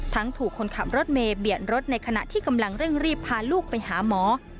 ถูกคนขับรถเมย์เบียดรถในขณะที่กำลังเร่งรีบพาลูกไปหาหมอ